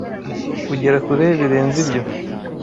ugera kure birenze ibyo